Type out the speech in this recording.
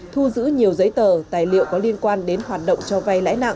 thu giữ nhiều giấy tờ tài liệu có liên quan đến hoạt động cho vay lãi nặng